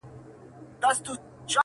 حقيقت ورو ورو ورکيږي دلته،